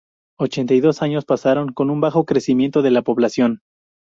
Ochenta y dos años pasaron con un bajo crecimiento de la población.